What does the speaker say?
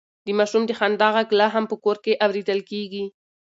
د ماشوم د خندا غږ لا هم په کور کې اورېدل کېږي.